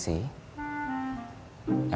emang kamu tau